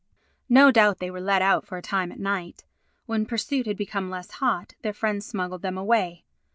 No doubt they were let out for a time at night. When pursuit had become less hot, their friends smuggled them away.